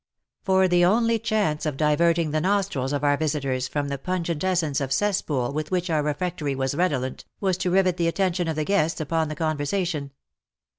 For the only chance of diverting the nostrils of our visitors from the pungent essence of cesspool with which our refectory was redolent, was to rivet the attention of the guests upon the conversation.